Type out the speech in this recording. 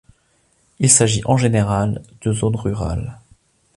Il s'agit en général de zones rurales.